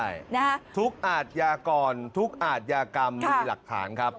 ใช่นะฮะทุกอาทยากรทุกอาทยากรรมมีหลักฐานครับ